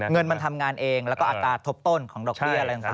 เงินมันทำงานเองแล้วก็อัตราทบต้นของดอกเบี้ยอะไรต่าง